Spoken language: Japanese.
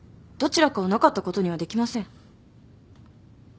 どちらかをなかったことにはできません。